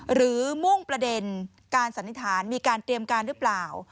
มุ่งประเด็นการสันนิษฐานมีการเตรียมการหรือเปล่า